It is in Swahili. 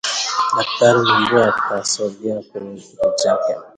Daktari Mumbui akasogea kwenye kiti chake